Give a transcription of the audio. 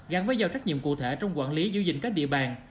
gắn với giao trách nhiệm cụ thể trong quản lý giữ gìn các địa bàn